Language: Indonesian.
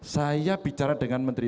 saya bicara dengan menteri